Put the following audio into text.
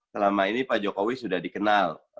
selama ini pak jokowi sudah dikenal